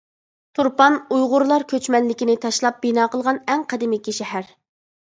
تۇرپان ئۇيغۇرلار كۆچمەنلىكنى تاشلاپ بىنا قىلغان ئەڭ قەدىمكى شەھەر.